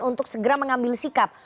untuk segera mengambil sikap